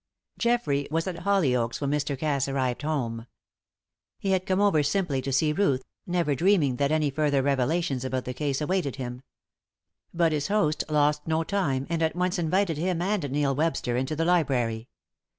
Geoffrey was at Hollyoaks when Mr. Cass arrived home. He had come over simply to see Ruth, never dreaming that any further revelations about the case awaited him. But his host lost no time, and at once invited him and Neil Webster into the library.